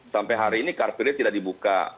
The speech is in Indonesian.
sampai hari ini kartunya tidak dibuka